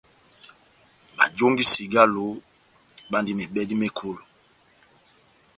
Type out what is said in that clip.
Bajongi cigalo bandi mebèdi mekolo.